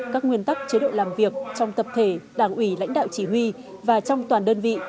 các nguyên tắc chế độ làm việc trong tập thể đảng ủy lãnh đạo chỉ huy và trong toàn đơn vị